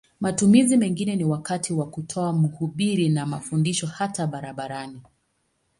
Matumizi mengine ni wakati wa kutoa mahubiri na mafundisho hata barabarani.